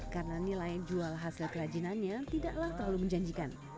karena nilai jual hasil kerajinannya tidaklah terlalu menjanjikan